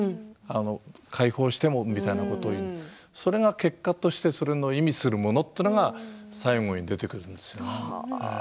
解放してもみたいなことをそれが結果としてそれを意味するものというのが最後に出てくるんですよ。